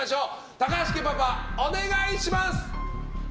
高橋家パパ、お願いします！